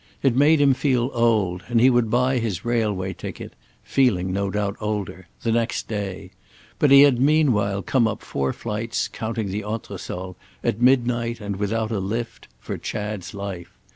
It made him feel old, and he would buy his railway ticket—feeling, no doubt, older—the next day; but he had meanwhile come up four flights, counting the entresol, at midnight and without a lift, for Chad's life.